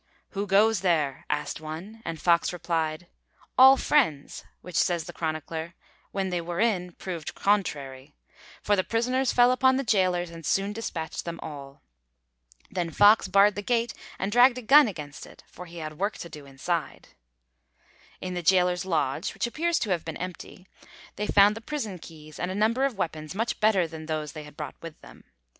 'Who goes there?' asked one, and Fox replied: 'All friends,' which, says the chronicler, 'when they were in, proved contrary,' for the prisoners fell upon the gaolers and soon dispatched them all. Then Fox barred the gate and dragged a gun against it, for he had work to do inside. In the gaoler's lodge, which appears to have been empty, they found the prison keys and a number of weapons much better than those they had brought with them.